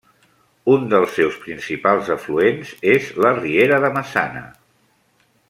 Un dels seus principals afluents és la riera de Maçana.